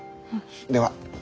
では。